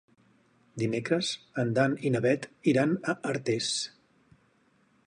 Dimecres en Dan i na Bet iran a Artés.